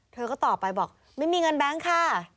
เธอก็ตอบไปบอกไม่มีเงินแบงค์ค่ะ